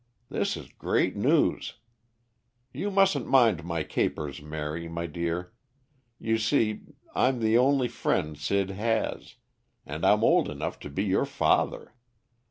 This is great news. You mustn't mind my capers, Mary, my dear; you see, I'm the only friend Sid has, and I'm old enough to be your father.